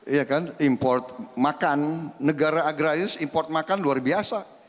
iya kan import makan negara agraris import makan luar biasa